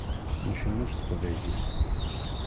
Ncennu s teqbaylit.